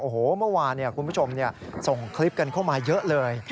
โอ้โหเมื่อวานคุณผู้ชมส่งคลิปกันเข้ามาเยอะเลย